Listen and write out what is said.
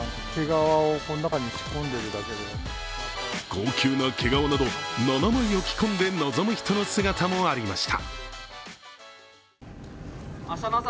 高級な毛皮など７枚を着込んで臨む人の姿もありました。